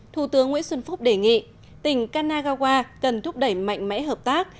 thủ tướng nguyễn xuân phúc đề nghị tỉnh kanagawa cần thúc đẩy mạnh mẽ hợp tác